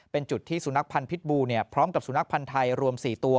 เป็นจุดที่สุนัขพันธ์พิษบูพร้อมกับสุนัขพันธ์ไทยรวม๔ตัว